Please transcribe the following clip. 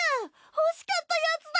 欲しかったやつだ！